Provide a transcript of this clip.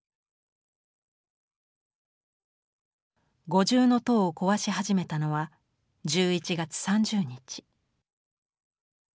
五重塔を壊し始めたのは１１月３０日。